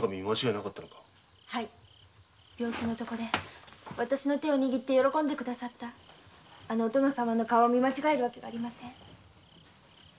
病床からわたしの手を握って喜んでくださったお殿様の顔を見間違える訳がありません。